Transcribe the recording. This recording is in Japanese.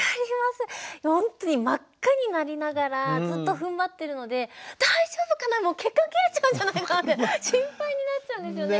ほんとに真っ赤になりながらずっとふんばってるので大丈夫かなもう血管切れちゃうんじゃないのかなって心配になっちゃうんですよね。